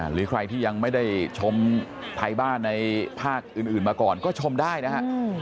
หรือใครที่ยังไม่ได้ชมไทยบ้านในภาคอื่นมาก่อนก็ชมได้นะฮะ